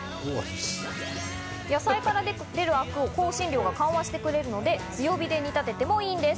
野菜から出るアクを香辛料が緩和してくれるので、強火で煮立ててもいいんです。